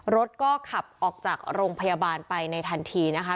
รถก็ขับออกจากโรงพยาบาลไปในทันทีนะคะ